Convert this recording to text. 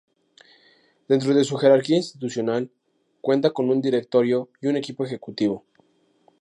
Dentro de su jerarquía institucional cuenta con un directorio y un equipo ejecutivo.